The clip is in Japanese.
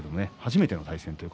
初めての対戦です。